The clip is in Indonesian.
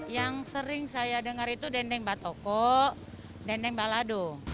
yang sering saya dengar itu dendeng batoko dendeng balado